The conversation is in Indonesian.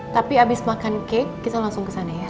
tapi abis makan cake kita langsung kesana ya